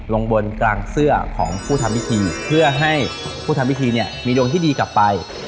ลงบนกลางเสื้อของผู้ทำพิธีเพื่อให้ผู้ทำพิธีเนี่ยมีดวงที่ดีกลับไป